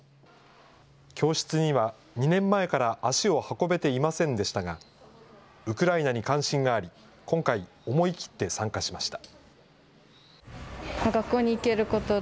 教室には２年前から足を運べていませんでしたが、ウクライナに関心があり、今回、思い切って参加しました。